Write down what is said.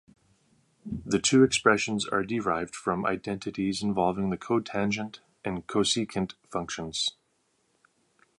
The two expressions are derived from identities involving the cotangent and cosecant functions.